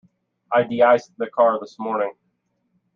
I deiced the car this morning.